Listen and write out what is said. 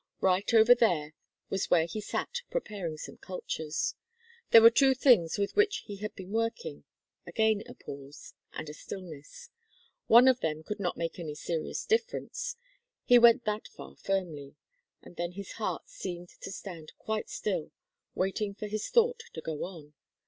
Right over there was where he sat preparing some cultures. There were two things with which he had been working; again a pause, and a stillness. One of them could not make any serious difference; he went that far firmly, and then his heart seemed to stand quite still, waiting for his thought to go on.